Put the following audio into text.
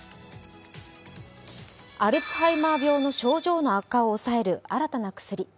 アルツハイマー病の症状の悪化を抑える新たな薬。